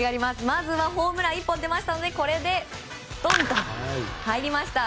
まずはホームラン１本出ましたのでこれでドンと入りました。